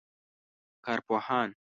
کارپوهان